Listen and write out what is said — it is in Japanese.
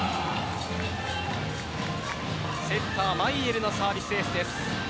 セッター、マイエルのサービスエースです。